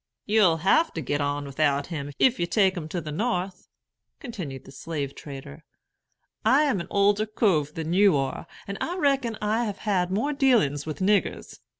"You'll have to get on without him, if you take him to the North," continued the slave trader. "I am an older cove than you are, and I reckon I have had more dealings with niggers.